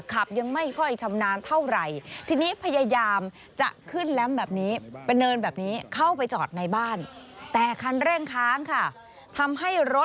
ขับยังไม่ค่อยชำนาญเท่าไหร่